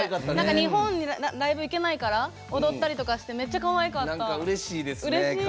日本にライブ行けないから踊ったりしてめっちゃかわいかった。